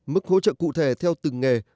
mức hỗ trợ cụ thể theo từng nghề